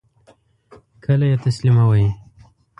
کله یی تسلیموئ؟